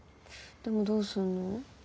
でもどうすんの？